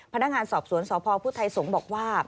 พนักงานสอบสวนสพพุทธไทยสงฆ์บอกว่า